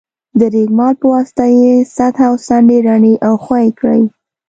د رېګمال په واسطه یې سطحه او څنډې رڼې او ښوي کړئ.